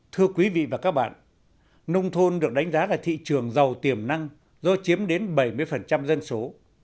thưa quý vị và các bạn nông thôn được đánh giá là thị trường giàu tiềm năng do chiếm đến bảy mươi dân số